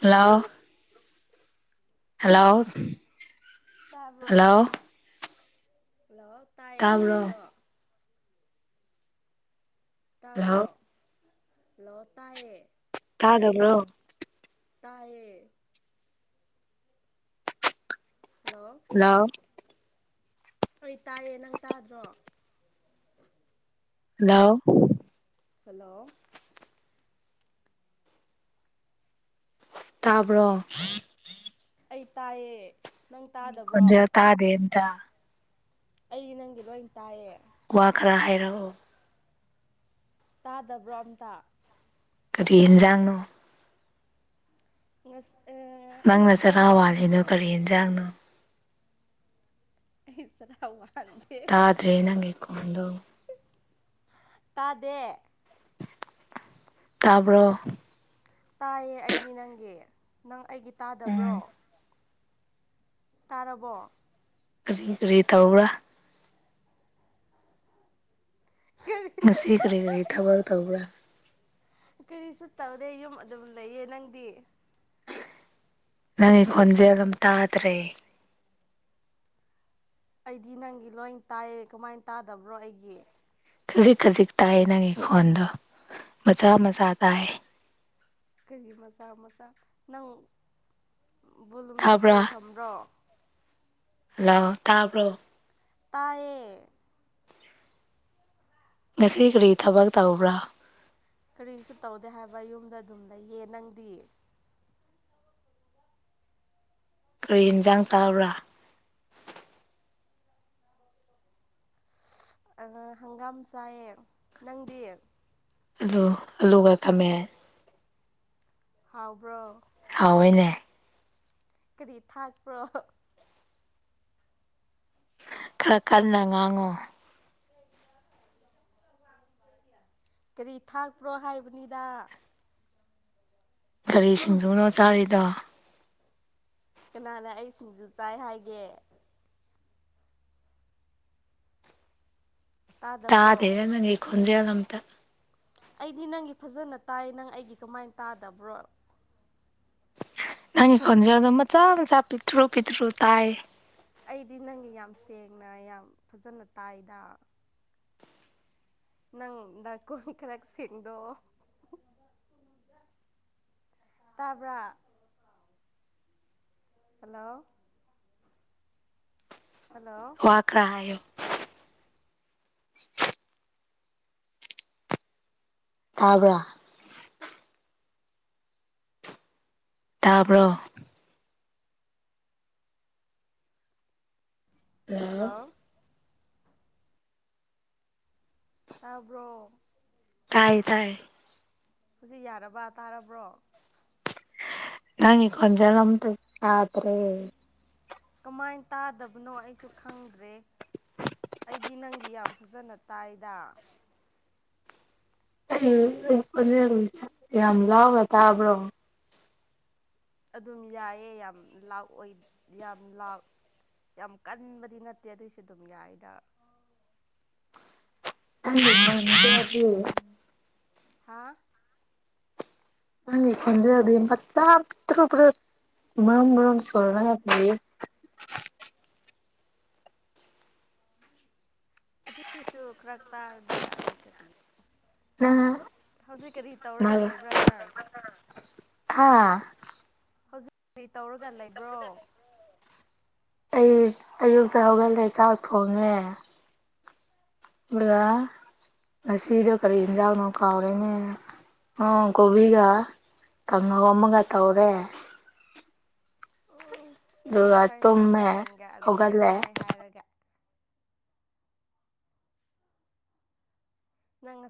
hello hello ꯇꯥꯕ꯭ꯔꯣ hello hello ꯇꯥꯏꯌꯦ ꯇꯥꯗ꯭ꯔꯣ ꯍꯜꯂꯣ ꯇꯥꯕ꯭ꯔꯣ ꯂꯣ ꯇꯥꯏꯌꯦ ꯀꯥꯗꯕ꯭ꯔꯣ ꯇꯔꯌꯦ ꯍꯜꯂꯣ ꯑꯩ ꯇꯥꯏꯌꯦ ꯅꯪ ꯇꯥꯗ꯭ꯔꯣ ꯍꯜꯂꯣ ꯍꯜꯂꯣ ꯇꯥꯕ꯭ꯔꯣ ꯑꯩ ꯇꯥꯏꯌꯦ ꯅꯪ ꯇꯥꯗꯕ꯭ꯔꯣ ꯖ ꯇꯥꯗꯦꯟꯇ ꯑꯩꯗꯤ ꯅꯪꯗꯤ ꯂꯣꯏ ꯇꯥꯏꯌꯦ ꯋꯥ ꯈꯔ ꯍꯥꯏꯔꯛꯑꯣ ꯇꯥꯗꯕ꯭ꯔꯣ ꯑꯝꯇ ꯀꯔꯤ ꯏꯟꯖꯥꯡꯅꯣ ꯉ ꯅꯪꯅ ꯆꯔꯥ ꯋꯥꯂꯤꯅꯣ ꯀꯔꯤ ꯌꯦꯟꯖꯥꯡꯅꯣ ꯑꯩꯁꯔ ꯇꯥ꯭ꯔꯦ ꯌꯦ ꯅꯪꯦꯀꯣꯗ ꯇꯗꯦ ꯇꯥꯕ꯭ꯔꯣ ꯇꯥꯏꯌꯦ ꯑꯩꯗꯤ ꯅꯪꯒꯤ ꯅꯪ ꯑꯩꯒꯤ ꯇꯥꯗꯕ꯭ꯔꯣ ꯎꯝ ꯇꯥꯔꯕꯣ ꯀꯔꯤ ꯀꯔꯤ ꯊꯧꯔ ꯀꯔꯤ ꯉꯁꯤ ꯀꯔꯤ ꯀ ꯊꯕꯒ ꯇꯧꯕ꯭ꯔ ꯀꯔꯤꯁꯨ ꯇꯧꯗꯦ ꯌꯨꯝ ꯑꯗꯨꯝ ꯂꯩꯌꯦ ꯅꯪꯗꯤ ꯅꯪ ꯈꯣꯟꯖꯦꯜ ꯑꯗꯨꯝ ꯇꯥꯗ꯭ꯔꯦ ꯑꯩꯗꯤ ꯅꯪꯒꯤ ꯂꯣꯏ ꯇꯥꯏꯌꯦ ꯀꯃꯥꯏꯅ ꯇꯥꯗꯕ꯭ꯔꯣ ꯑꯩꯒꯤ ꯈꯖꯤꯛ ꯈꯖꯤꯛ ꯇꯥꯏ ꯅꯪꯒꯤ ꯈꯣꯟꯗꯣ ꯃꯆꯥ ꯃꯆꯥ ꯇꯥꯏ ꯀꯔꯤ ꯃꯆꯥ ꯃꯆꯥ ꯅꯪ ꯕꯣꯂꯨꯝꯁ ꯇꯥꯕ꯭ꯔꯥ ꯐꯨꯜ ꯊꯝꯕ꯭ꯔꯣ ꯍꯜꯂꯣ ꯇꯥꯕ꯭ꯔꯣ ꯇꯌꯦ ꯉꯁꯤ ꯀꯔꯤ ꯊꯕꯛ ꯇꯧꯕ꯭ꯔꯥ ꯀꯔꯤꯁꯨ ꯇꯧꯗꯦ ꯍꯥꯏꯕ ꯌꯨꯝꯗ ꯑꯗꯨꯝ ꯂꯩꯌꯦ ꯅꯪꯗꯤ ꯀꯔꯤ ꯍꯜꯂꯣ ꯌꯦꯟꯁꯥꯡ ꯇꯥ꯭ꯔꯥ ꯑ ꯍꯪꯒꯥꯝ ꯆꯥꯏꯌꯦ ꯅꯪꯗꯤ [unintelligible] ꯍꯥꯎꯕ꯭ꯔꯣ ꯍꯥꯎꯋꯦꯅꯦ ꯀꯔꯤ ꯊꯥꯛꯄ꯭ꯔꯣ ꯈꯔ ꯀꯟꯅ ꯉꯥꯡꯉꯣ ꯀꯔꯤ ꯊꯥꯛꯄ꯭ꯔꯣ ꯍꯥꯏꯕꯅꯤꯗ ꯀꯒꯥꯔꯤ ꯁꯤꯡꯖꯨꯅꯣ ꯇꯥꯔꯤꯗ ꯀꯅꯥꯅ ꯑꯩ ꯁꯤꯡꯖꯨ ꯆꯥꯏ ꯍꯥꯏꯒꯦ ꯇꯥꯗꯕ꯭ꯔꯣ ꯇꯥꯗꯦꯍꯦ ꯅꯪꯒꯤ ꯈꯣꯟꯖꯦꯜꯒ ꯑꯝꯇ ꯑꯩꯗꯤ ꯅꯪꯒꯤ ꯐꯖꯅ ꯇꯥꯏ ꯅꯪ ꯑꯩꯒꯤ ꯀꯃꯥꯏꯅ ꯇꯥꯗꯕ꯭ꯔꯣ ꯅꯪꯒꯤ ꯈꯣꯟꯖꯦꯜ ꯑꯗꯨꯝ ꯃꯆꯥ ꯃꯆꯥ ꯄꯤꯠꯇ꯭ꯔꯨ ꯄꯤꯠꯇ꯭ꯔꯨ ꯇꯥꯏ ꯑꯩꯗꯤ ꯅꯪꯒꯤ ꯌꯥꯝ ꯁꯦꯡꯅ ꯌꯥꯝ ꯐꯖꯅ ꯇꯥꯏꯗ ꯅꯪꯗꯥꯛꯀꯣꯟ ꯀꯔꯁꯤꯗꯣ ꯇꯥꯕ꯭ꯔ ꯍꯜꯂꯣ ꯍꯜꯂꯣ ꯋꯥ ꯀ꯭ꯔꯥ ꯇꯥꯕ꯭ꯔꯥ ꯇꯥꯔꯕ ꯍꯜꯂꯣ [unintelligible] ꯇꯥꯕ꯭ꯔꯣ ꯇꯥꯏ ꯇꯥꯏ ꯍꯧꯖꯤꯛ ꯌꯥꯔꯕ ꯇꯥꯔꯕ꯭ꯔꯣ ꯅꯉ ꯀꯖ ꯀꯝ ꯄꯥꯇꯔꯦ ꯀꯃꯥꯏꯅ ꯇꯥꯗꯕꯅꯣ ꯑꯩꯁꯨ ꯈꯪꯗ꯭ꯔꯦ ꯑꯩꯗꯤ ꯅꯪꯒꯤ ꯌꯥꯝ ꯐꯖꯅ ꯇꯥꯏꯗ ꯌꯥꯝ ꯂꯥꯎꯒ ꯇꯥꯕ꯭ꯔꯣ ꯑꯗꯨꯝ ꯌꯥꯏꯑꯦ ꯌꯥꯝ ꯂꯥꯎ ꯑꯣꯏ ꯌꯥꯝ ꯂꯥꯎ ꯌꯥꯝ ꯀꯟꯕꯗꯤ ꯅꯠꯇꯦ ꯑꯗꯨꯏꯁꯨ ꯑꯗꯨꯝ ꯌꯥꯏꯗ [inaudible] ꯍꯥ ꯑꯣꯏꯖꯦ ꯑꯗꯨ ꯄꯠꯇꯔꯔ ꯃꯝ ꯃꯝ ꯁꯂꯂꯦꯗꯤ [inaudible] ꯑꯗꯨꯁꯨ ꯈꯔꯛ ꯇꯥꯔꯗꯤ ꯌꯥꯔꯦ ꯀꯔꯤ ꯎꯝ ꯍꯧꯖꯤꯛ ꯀꯔꯤ ꯇꯧꯔꯒ ꯎꯝ ꯂꯩꯕ꯭ꯔꯥ ꯅꯪ ꯍꯥꯥ ꯍꯧꯖꯤꯛ ꯀꯔꯤ ꯇꯧꯔꯒ ꯂꯩꯕ꯭ꯔꯣ ꯑꯩ ꯑꯌꯨꯛꯇ ꯍꯧꯒꯠꯂꯦ ꯆꯥꯛ ꯊꯣꯡꯉꯦ ꯑꯗꯨꯒ ꯉꯁꯤꯗꯣ ꯀꯔꯤ ꯌꯦꯟꯖꯥꯡꯅꯣ ꯀꯥꯎꯔꯦꯅꯦ ꯅꯣꯡ ꯀꯣꯕꯤꯒ ꯀꯪꯉꯒꯣꯝꯃꯒ ꯇꯧꯔꯦ ꯎ ꯑꯗꯨꯒ ꯉꯁꯥꯏꯅ ꯇꯨꯝꯃꯦ ꯈꯥꯃꯦꯟꯒ ꯑꯂꯨꯒ ꯍꯧꯒꯠꯂꯦ ꯆꯥꯏ ꯍꯥꯏꯔꯒ ꯅꯪ